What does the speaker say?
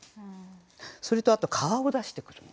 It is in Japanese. それとあと「川」を出してくるんですよ。